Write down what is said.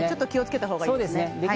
気をつけたほうがいいですね。